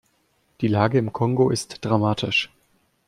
Die Lage im Kongo ist dramatisch.